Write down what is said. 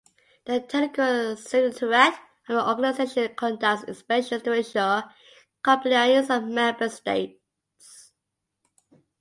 The "Technical Secretariat" of the organization conducts inspections to ensure compliance of member states.